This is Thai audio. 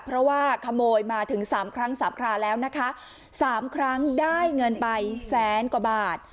เพราะว่าขโมยมาถึงสามครั้งสามคราแล้วนะคะสามครั้งได้เงินไปแสนกว่าบาท